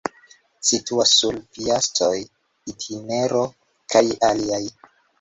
Situas sur Piastoj-itinero kaj aliaj.